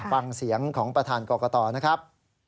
ฟังเสียงของประธานกรกตนะครับ